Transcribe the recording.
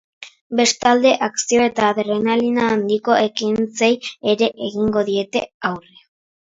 Bestalde, akzio eta adrenalina handiko ekintzei ere egingo diete aurre.